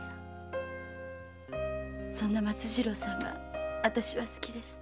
そんな松次郎さんが私は好きでした。